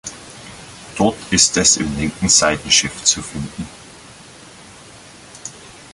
Dort ist es im linken Seitenschiff zu finden.